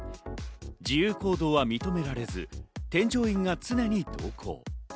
自由行動は認められず、添乗員が常に同行。